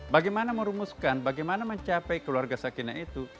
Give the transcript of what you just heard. bagaimana merumuskan bagaimana mencapai keluarga sakinah itu